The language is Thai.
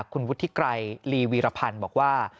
คุณวุฒิไกรลีวีรพันธ์บอกว่า